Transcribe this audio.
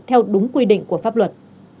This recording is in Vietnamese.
theo đúng quy định của pháp luật